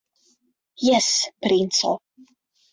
Jes, princo!